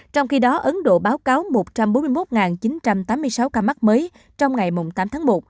trong khi đó ấn độ báo cáo một trăm bốn mươi một chín trăm tám mươi sáu ca mắc mới trong ngày tám tháng một